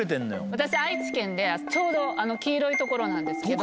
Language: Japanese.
私愛知県でちょうどあの黄色いところなんですけど。